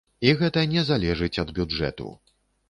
І гэта не залежыць ад бюджэту.